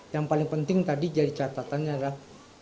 yang paling penting tadi jadi catatannya adalah